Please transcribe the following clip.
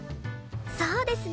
そうですね。